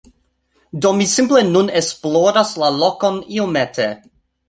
Do, mi simple nun esploras la lokon iomete